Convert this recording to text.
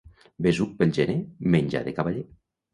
Besuc pel gener, menjar de cavaller.